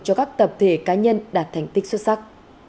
cho các tập thể cá nhân đạt thành tích xuất sắc